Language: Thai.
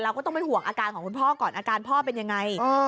ก็ต้องไปห่วงอาการของคุณพ่อก่อนอาการพ่อเป็นยังไง